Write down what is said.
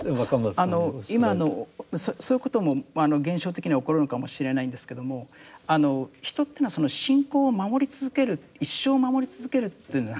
今のそういうことも現象的には起こるのかもしれないんですけども人というのは信仰を守り続ける一生守り続けるというのはなかなか難しい。